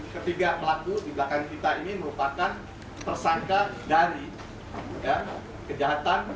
ketiga pelaku di belakang kita ini merupakan tersangka dari kejahatan